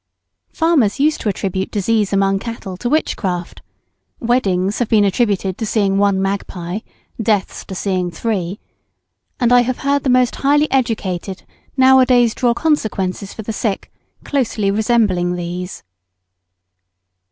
Farmers used to attribute disease among cattle to witchcraft; weddings have been attributed to seeing one magpie, deaths to seeing three; and I have heard the most highly educated now a days draw consequences for the sick closely resembling these. [Sidenote: Physiognomy of disease little shewn by the face.